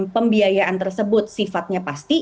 pembiayaan tersebut sifatnya pasti